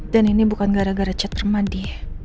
dan ini bukan gara gara chat parmadi